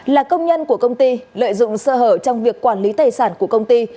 là công nhân của công ty lợi dụng sơ hở trong việc quản lý tài sản của công ty